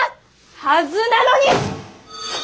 はずなのに！